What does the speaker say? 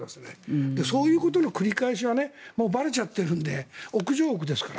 そういうことの繰り返しがもうばれちゃっているので屋上屋ですから。